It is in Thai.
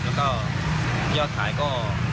แล้วก็ยอดขายก็